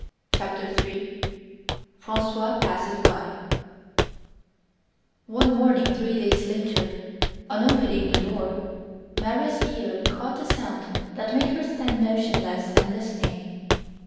CHAPTER III FRANCOIS PASSES BY One morning three days later, on opening the door, Maria's ear caught a sound that made her stand motionless and listening.